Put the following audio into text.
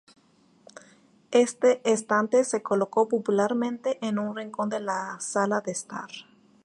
Este estante se colocó popularmente en un rincón de la sala de estar.